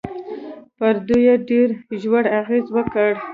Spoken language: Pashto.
پر دوی يې ډېر ژور اغېز وکړ.